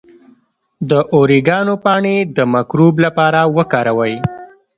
د اوریګانو پاڼې د مکروب لپاره وکاروئ